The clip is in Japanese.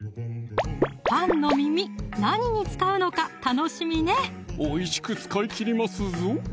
パンの耳何に使うのか楽しみねおいしく使いきりますぞ